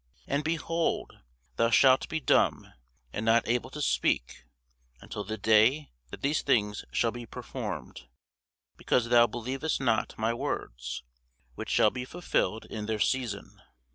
And, behold, thou shalt be dumb, and not able to speak, until the day that these things shall be performed, because thou believest not my words, which shall be fulfilled in their season.